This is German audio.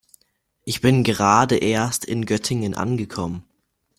Ich bin gerade erst in Göttingen angekommen